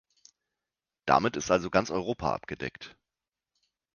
Damit ist also ganz Europa abgedeckt.